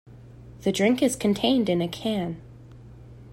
The drink is contained in a can.